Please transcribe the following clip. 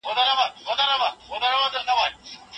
ايا مدني بنسټونه د حکومت کارونه څاري؟